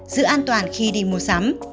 giữ an toàn khi đi mua sắm